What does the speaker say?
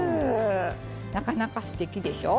なかなかすてきでしょ。